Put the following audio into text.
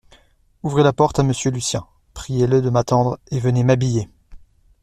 Ouvrez la porte à Monsieur Lucien, priez-le de m'attendre, et venez m'habiller.